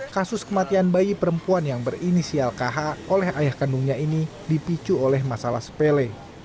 kasus kematian bayi perempuan yang berinisial kh oleh ayah kandungnya ini dipicu oleh masalah sepele